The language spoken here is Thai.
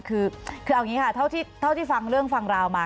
คือเอาอย่างนี้ค่ะเท่าที่ฟังเรื่องฟังราวมา